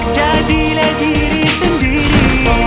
jadilah diri sendiri